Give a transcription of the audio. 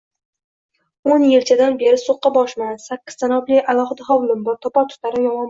– O‘n yilchadan beri so‘qqaboshman, sakkiz tanobli alohida hovlim bor, topar-tutarim yomonmas